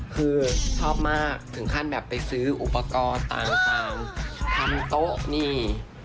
คือชอบมากถึงขั้นแบบไปซื้ออุปกรณ์ต่างทำโต๊ะนี่